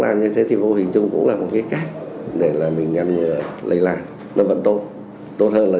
làm như thế thì vô hình chung cũng là một cái cách để là mình ngăn lây lan nó vẫn tốt tốt hơn là